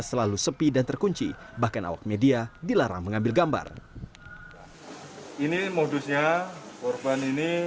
kau dipakaikan bajunya dipakaikan di tubuh korban